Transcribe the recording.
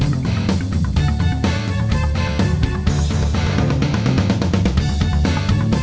itu masih ada kembaliannya ribu ya